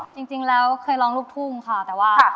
จริงแล้วเคยร้องลูกทุ่งค่ะแต่ว่า